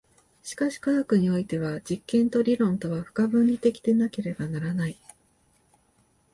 しかし科学においては実験と理論とは不可分離的でなければならない。